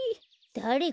だれ？